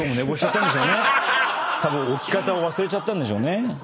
たぶん起き方を忘れちゃったんでしょうね。